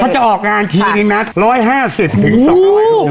พอจะออกงานทีนี้นะ๑๕๐บาท